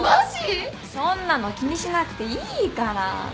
そんなの気にしなくていいから。